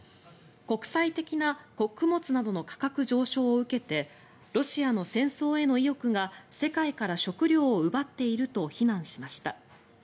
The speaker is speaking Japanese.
国際的な穀物などの価格上昇を受けてロシアの戦争への意欲が世界から食糧を奪っていると非難しました。